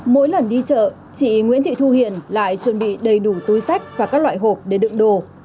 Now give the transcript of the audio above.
mỗi lần đi chợ chị nguyễn thị thu hiền lại chuẩn bị đầy đủ túi sách và các loại hộp để đựng đồ